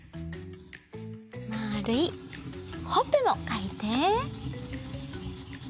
まるいほっぺもかいて。